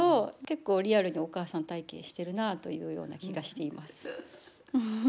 結構リアルにお母さん体験してるなというような気がしています。